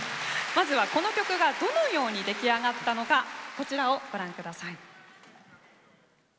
まずは、この曲がどのように出来上がったのかこちらをご覧ください。